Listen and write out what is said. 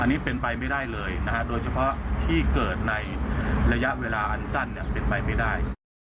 อันนี้เป็นไปไม่ได้เลยโดยเฉพาะที่เกิดในระยะเวลาอันสั้นเป็นไปไม่ได้